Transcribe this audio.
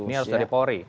ini harus dari pori